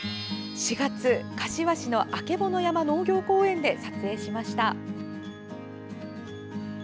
４月、柏市のあけぼの山農業公園で撮影しました。